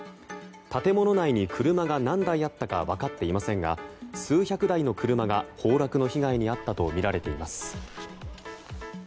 建物内に車が何台あったか分かっていませんが数百台の車が崩落の被害に遭ったとみられています。